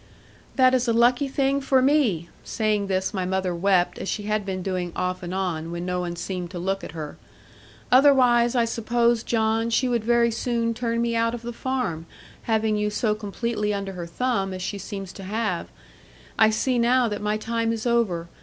'That is a lucky thing for me'; saying this my mother wept, as she had been doing off and on, when no one seemed to look at her; 'otherwise I suppose, John, she would very soon turn me out of the farm, having you so completely under her thumb, as she seems to have. I see now that my time is over.